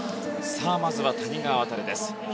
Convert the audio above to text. まずは谷川航です。